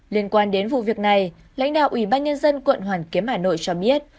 liên quan đến vụ việc này lãnh đạo ủy ban nhân dân quận hoàn kiếm hà nội cho biết